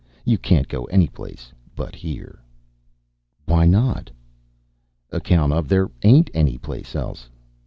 You can't go anyplace but here." "Why not?" "Account of there ain't anyplace else.